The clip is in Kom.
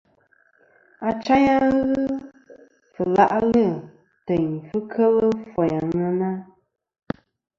Achayn a ghɨ fɨ la'lɨ teyn fɨ kel foyn àŋena.